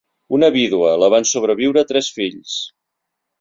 Una vídua, la van sobreviure tres fills.